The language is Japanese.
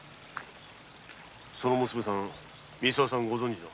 その娘さんは三沢さんご存知の？